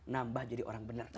nambah jadi orang benar